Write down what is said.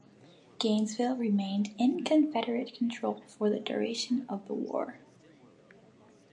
Gainesville remained in Confederate control for the duration of the war.